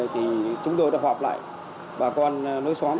thì chúng tôi đã họp lại bà con nối xóm